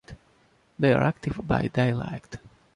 They are active by daylight.